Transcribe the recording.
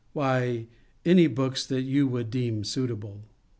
Why, any books that you would deem suitable.